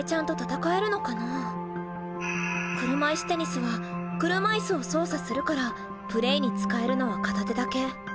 車いすテニスは車いすを操作するからプレーに使えるのは片手だけ。